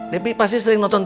debi pasti sering nonton tv ya